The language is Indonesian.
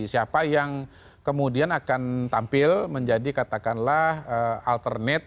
siapa yang kemudian akan tampil menjadi katakanlah alternet